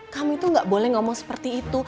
kamu itu gak boleh ngomong seperti itu